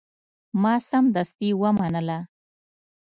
ما سمدستي ومنله.